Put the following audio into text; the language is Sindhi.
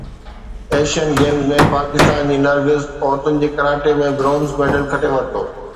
ايشين گيمز ۾ پاڪستان جي نرگس عورتن جي ڪراٽي ۾ برونز ميڊل کٽي ورتو